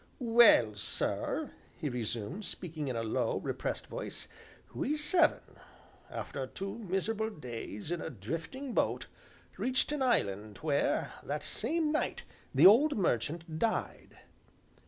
"Well, sir," he resumed, speaking in a low, repressed voice, "we seven, after two miserable days in a drifting boat, reached an island where, that same night, the old merchant died.